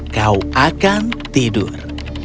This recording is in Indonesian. kau akan tidur